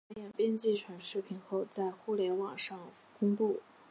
这些表演编辑成视频后在互联网上公布。